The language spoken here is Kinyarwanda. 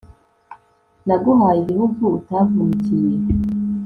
naguhaye igihugu utavunikiye